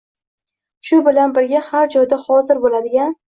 shu bilan birga, har joyda hozir bo‘ladigan